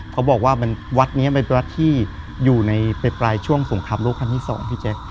เขาบอกว่าวัดนี้มันเป็นวัดที่อยู่ในไปปลายช่วงสงครามโลกครั้งที่สองพี่แจ๊ค